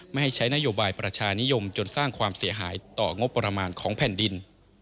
ไม่ให้ใช้นโยบายประชานิยมจนสร้างความเสียหายต่องบประมาณของแผ่นดิน